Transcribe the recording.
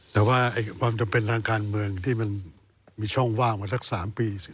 แต่ว่ามันเป็นทางการเมืองที่มีช่องว่างมาประมาณสามปี